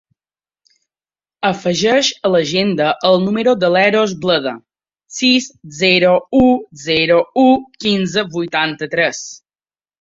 Afegeix a l'agenda el número de l'Eros Bleda: sis, zero, u, zero, u, quinze, vuitanta-tres.